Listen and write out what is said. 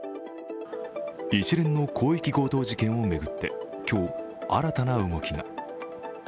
一連の広域強盗事件を巡って今日、新たな動きが。